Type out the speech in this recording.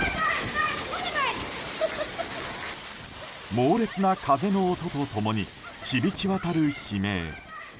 猛烈な風の音と共に響き渡る悲鳴。